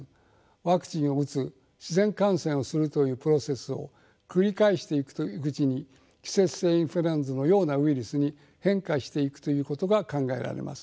ワクチンを打つ自然感染をするというプロセスを繰り返していくうちに季節性インフルエンザのようなウイルスに変化していくということが考えられます。